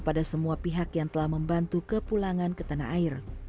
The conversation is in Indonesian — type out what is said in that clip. pada semua pihak yang telah membantu kepulangan ke tanah air